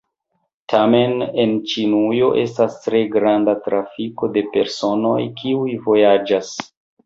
Tiam en Ĉinujo estas tre granda trafiko de personoj, kiuj vojaĝas.